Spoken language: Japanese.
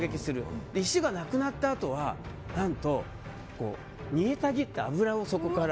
石がなくなったあとは何と、煮えたぎった油をそこから。